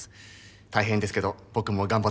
大変ですけど僕も頑張っています。